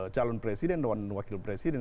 calon presiden dan wakil presiden